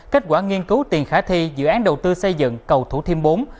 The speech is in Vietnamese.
kết quả nghiên cứu tiền khả thi dự án đầu tư xây dựng cầu thủ thiêm bốn